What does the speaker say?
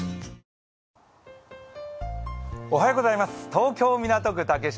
東京・港区竹芝